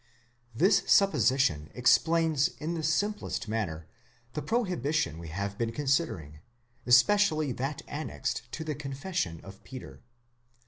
This supposition explains in the simplest manner the prohibition we have been considering, especially that annexed to the confession of Peter.